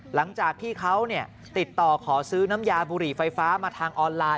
หลังจากที่เขาติดต่อขอซื้อน้ำยาบุหรี่ไฟฟ้ามาทางออนไลน์